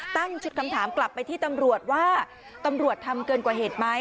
ตั้งชุดคำถามกลับไปที่ตำรวจว่าตำรวจทำเกินกว่าเหตุไหม